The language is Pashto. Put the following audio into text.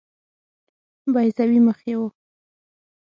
بیضوي مخ یې وو.